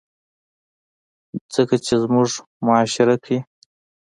ځکه چې زمونږ معاشره کښې